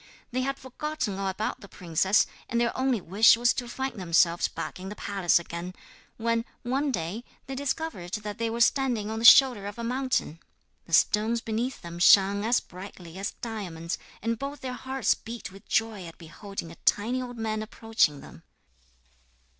They had forgotten all about the princess, and their only wish was to find themselves back in the palace again, when, one day, they discovered that they were standing on the shoulder of a mountain. The stones beneath them shone as brightly as diamonds, and both their hearts beat with joy at beholding a tiny old man approaching them.